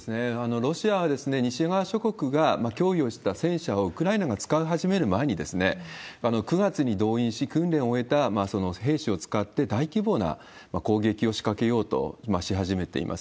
ロシアは西側諸国が脅威を知った戦車をウクライナが使い始める前に、９月に動員し、訓練を終えた兵士を使って大規模な攻撃を仕掛けようとし始めています。